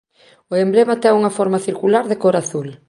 O emblema ten unha forma circular de cor azul.